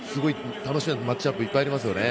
楽しみなマッチアップがたくさんありますよね。